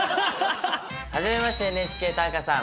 はじめまして「ＮＨＫ短歌」さん。